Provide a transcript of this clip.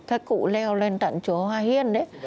các cụ leo lên tận chùa hoa hiên ấy